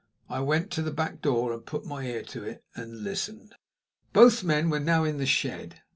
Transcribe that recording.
I went to the back door and put my ear to it, and listened. Both men were now in the shed.